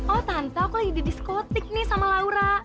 oh tante aku lagi di diskotik nih sama laura